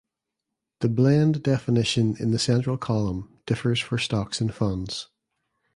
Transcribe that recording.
The "blend" definition in the central column differs for stocks and funds.